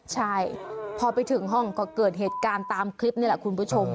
ใช่พอไปถึงห้องก็เกิดเหตุการณ์ตามคลิปนี่แหละคุณผู้ชม